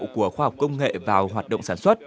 của khoa học công nghệ vào hoạt động sản xuất